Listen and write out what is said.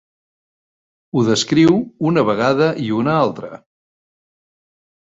Ho descriu una vegada i una altra.